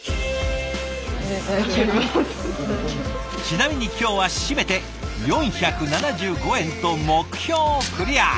ちなみに今日は締めて４７５円と目標クリア。